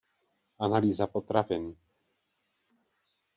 Analýza potravin.